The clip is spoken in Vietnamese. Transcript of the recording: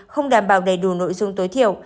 không đảm bảo đầy đủ nội dung tối thiểu